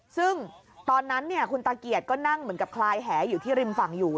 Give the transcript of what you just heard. ซึ่งตอนนั้นคุณตาเกียจก็นั่งเหมือนกับคลายแหอยู่ที่ริมฝั่งอยู่